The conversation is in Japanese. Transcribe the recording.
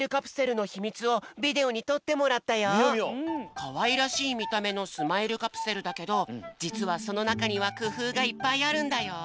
かわいらしいみためのスマイルカプセルだけどじつはそのなかにはくふうがいっぱいあるんだよ。